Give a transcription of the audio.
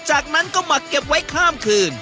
จากนั้นก็หมักเก็บไว้ข้ามคืน